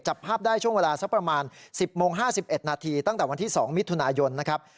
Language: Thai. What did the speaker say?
จับภาพได้ช่วงเวลาสักประมาณ๑๐โมง๕๑นาทีตั้งแต่วันที่๒มิถุนายนนะครับ